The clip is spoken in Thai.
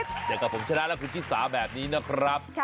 เจอกับผมชนะและคุณชิสาแบบนี้นะครับ